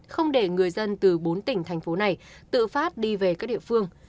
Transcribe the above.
không để người dân từ bốn tỉnh thành phố này tự phát đi về các địa phương